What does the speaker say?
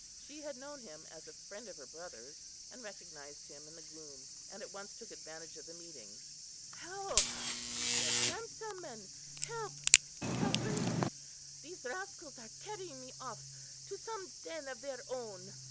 She had known him as a friend of her brother's, and recognised him in the gloom, and at once took advantage of the meeting. "Help," she said, "gentlemen! help, Calphurnius! these rascals are carrying me off to some den of their own."